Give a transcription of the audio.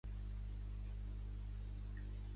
Puigdemont coneix la Crida Nacional per la República